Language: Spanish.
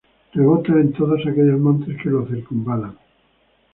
rebota en todos aquellos montes que lo circunvalan